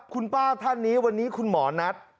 คุณป้าท่านนี้วันนี้คุณหมอนัท